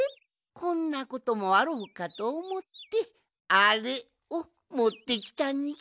こんなこともあろうかとおもってアレをもってきたんじゃ。